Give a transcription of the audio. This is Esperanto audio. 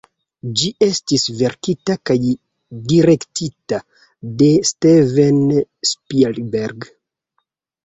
Ĝi estis verkita kaj direktita de Steven Spielberg.